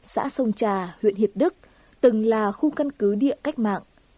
xã sông trà huyện hiệp đức từng là khu căn cứ địa cách mạng